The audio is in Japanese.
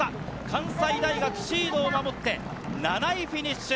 関西大学、シードを守って、７位フィニッシュ。